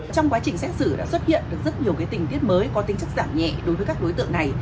trong quá trình xét xử đã xuất hiện được rất nhiều tình tiết mới có tính chất giảm nhẹ đối với các đối tượng này